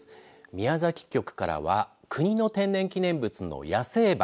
宮崎局からは国の天然記念物の野生馬。